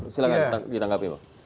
silahkan ditangkapin pak